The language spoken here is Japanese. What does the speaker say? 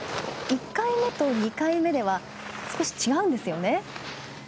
１回目と２回目では少し違うんですよね。